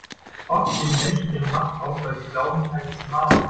Oft geben Menschen ihre Macht auf, weil sie glauben, keine zu haben.